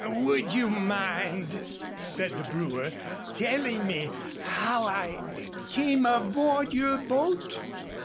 "Would you mind," said the brewer, "telling me how I came aboard your boat?"